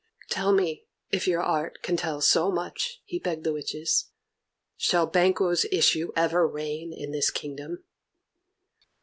"Tell me, if your art can tell so much," he begged the witches, "shall Banquo's issue ever reign in this kingdom?"